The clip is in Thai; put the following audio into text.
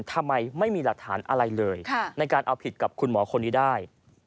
ทำไมไม่มีหลักฐานอะไรเลยในการเอาผิดกับคุณหมอคนนี้ได้